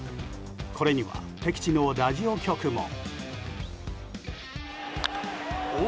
これには敵地のラジオ局も。